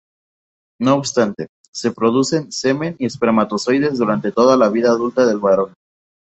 No obstante, se producen semen y espermatozoides durante toda la vida adulta del varón.